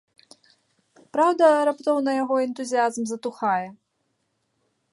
Праўда, раптоўна і яго энтузіязм затухае.